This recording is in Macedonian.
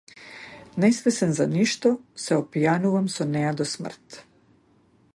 Несвесен за ништо, се опијанувам со неа до смрт.